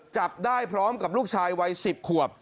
จับได้พร้อมกับลูกชายวัย๑๐ขวบ